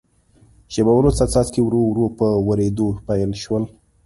شیبه وروسته څاڅکي ورو ورو په ورېدو پیل شول.